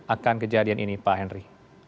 akan kejadian ini pak henry